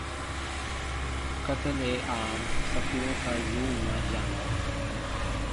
बच्चों का कत्ल-ए-आम: सपनों का यूं मर जाना...